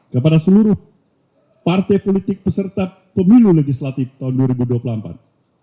kepada seluruh partai politik peserta pemilu legislatif tahun dua ribu dua puluh empat